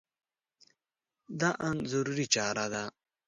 دا ان ضروري چاره ده.